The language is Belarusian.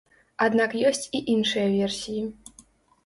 Аднак ёсць і іншыя версіі.